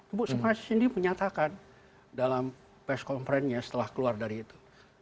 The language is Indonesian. ibu semua sendiri menyatakan dalam press conference nya setelah keluar dari itu